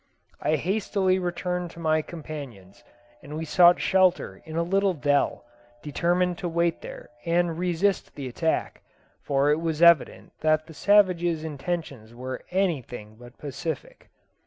I hastily returned to my companions, and we sought shelter in a little dell, determined to await there, and resist the attack, for it was evident that the savages' intentions were anything but pacific.